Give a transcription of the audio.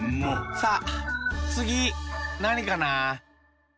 さあつぎなにかな？